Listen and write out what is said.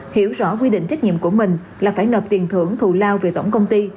hiểu rõ quy định trách nhiệm của mình là phải nộp tiền thưởng thù lao về tổng công ty